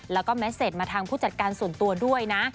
แล้วก็แมสเซตมาทางผู้จัดการส่วนตัวด้วยนะ